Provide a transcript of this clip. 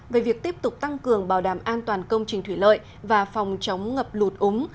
về việc tiếp tục tăng cường bảo đảm an toàn công trình thủy lợi và phòng chống ngập lụt úng